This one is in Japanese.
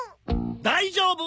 大丈夫！